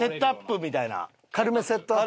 軽めセットアップ？